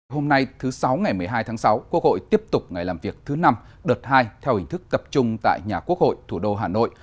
hôm nay thứ sáu ngày một mươi hai tháng sáu quốc hội tiếp tục ngày làm việc thứ năm đợt hai theo hình thức tập trung tại nhà quốc hội thủ đô hà nội